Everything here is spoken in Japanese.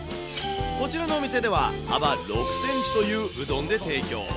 こちらのお店では、幅６センチといううどんで提供。